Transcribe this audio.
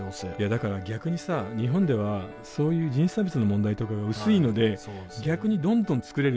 だから逆にさ日本ではそういう人種差別の問題とかが薄いので逆にどんどん作れるんだよね。